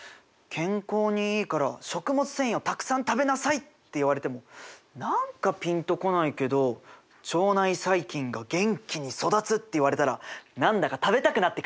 「健康にいいから食物繊維をたくさん食べなさい」って言われても何かピンと来ないけど「腸内細菌が元気に育つ」って言われたらなんだか食べたくなってくるね。